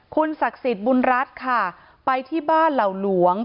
คุณศักดิ์สิทธิ์บุญรัฐค่ะไปที่บ้านเหล่าหลวง